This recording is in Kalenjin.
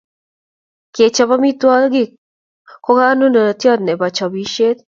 Kechop amitwogik ko kanunotiot nebo chopisiet